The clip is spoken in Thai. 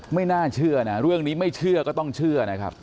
ไม่น่าเชื่อเรื่องนี้ไม่เชื่อก็ต้องเชื่อ